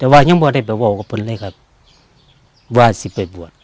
แต่ว่ายังไม่ได้ไปบอกกับผมเลยครับว่าสิไปบวช